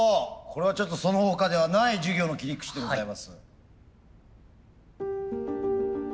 これはちょっとその他ではない授業の切り口でございます。